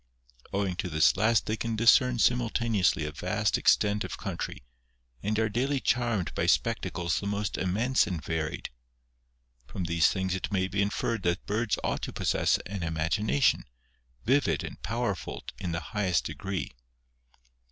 Owing to this last they can discern simultaneously a vast extent of country, and are daily charmed by spectacles the most immense and varied. From these things it may be inferred that birds ought to possess an imagination, vivid and powerful in the highest degree.